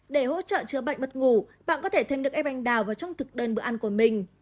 để hỗ trợ chữa bệnh mất ngủ bạn có thể thêm được em anh đào vào trong thực đơn bữa ăn của mình